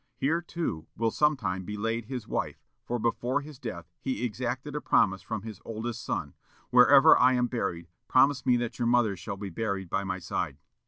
Here, too, will sometime be laid his wife, for before his death he exacted a promise from his oldest son: "Wherever I am buried, promise me that your mother shall be buried by my side."